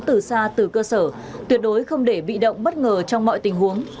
từ xa từ cơ sở tuyệt đối không để bị động bất ngờ trong mọi tình huống